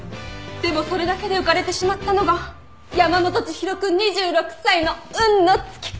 でもそれだけで浮かれてしまったのが山本知博君２６歳の運の尽き。